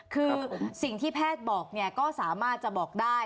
คือสิ่งที่แพทย์บอกก็สามารถจะบอกได้